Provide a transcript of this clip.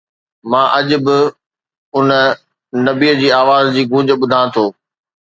مان اڄ به ان نبيءَ جي آواز جي گونج ٻڌان ٿو.